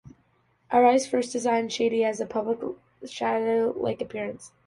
Arai's first design, "Shady", had a shadow-like appearance.